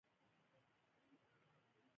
د هر فرد لپاره لږ تر لږه سوکالي پکار ده.